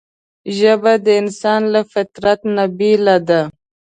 ژبه د انسان له فطرته نه بېله ده